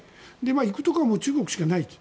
行くところは中国しかない。